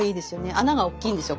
穴がおっきいんですよ